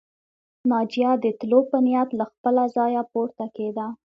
ناجيه د تلو په نيت له خپله ځايه پورته کېده